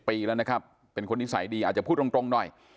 ปีแล้วนะครับเป็นคนนิสัยดีอาจจะพูดตรงหน่อย